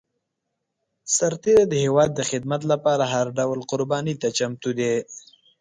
سرتېری د هېواد د خدمت لپاره هر ډول قرباني ته چمتو دی.